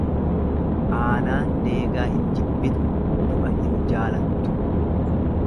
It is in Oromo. Aanaan deegaa hin jibbitu du'a hin jaalattu.